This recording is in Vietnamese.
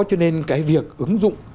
cho nên cái việc ứng dụng